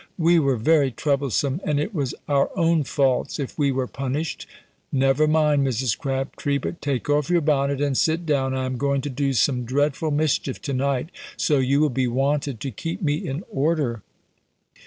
We were very troublesome, and it was our own faults if we were punished. Never mind, Mrs. Crabtree, but take off your bonnet and sit down! I am going to do some dreadful mischief to night, so you will be wanted to keep me in order."